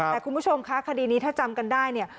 แต่คุณผู้ชมคะคดีนี้ถ้าจำกันได้เนี่ย